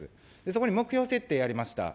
そこに目標設定やりました。